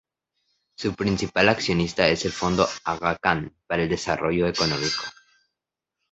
Su principal accionista es el Fondo Aga Khan para el Desarrollo Económico.